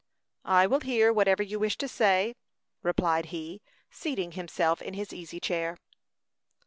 "I will hear whatever you wish to say," replied he, seating himself in his easy chair.